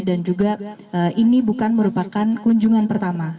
dan juga ini bukan merupakan kunjungan pertama